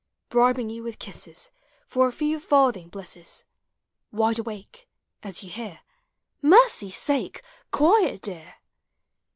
Bribing you With kisses For a few Farthing blisses; Wide awake, As you hear, " Mercy's sake, Quiet, dear